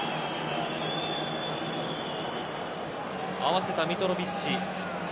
合わせたミトロヴィッチ。